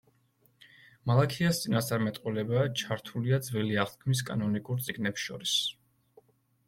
მალაქიას წინასწარმეტყველება ჩართულია ძველი აღთქმის კანონიკურ წიგნებს შორის.